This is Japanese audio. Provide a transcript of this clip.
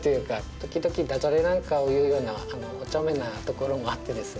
時々だじゃれなんかを言うようなお茶目なところもあってですね。